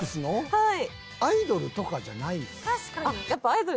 はい。